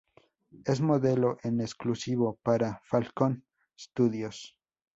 Es modelo en exclusivo para Falcon Studios.